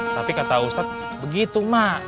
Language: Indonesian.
tapi kata ustadz begitu mak